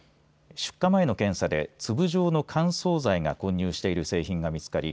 出荷前の検査で粒状の乾燥剤が混入している製品が見つかり